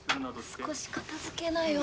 少し片づけなよ。